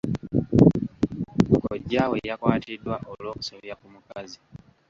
Kojjaawe yakwatiddwa olw'okusobya ku mukazi.